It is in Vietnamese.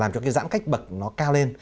cho cái giãn cách bậc nó cao lên